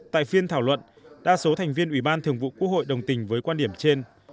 tại phiên thảo luận đa số thành viên ủy ban thường vụ quốc hội đồng tình với quan điểm trên